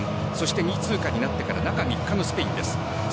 ２位通過になってから中３日のスペインです。